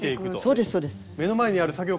そうですそうです。